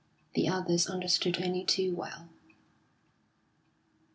The others understood only too well.